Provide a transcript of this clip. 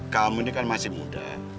kamu ini kan masih muda